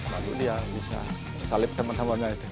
lalu dia bisa salib teman temannya itu